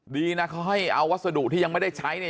ดีนะเขาให้เอาวัสดุที่ยังไม่ได้ใช้เนี่ย